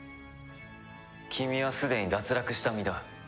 君はすでに脱落した身だ。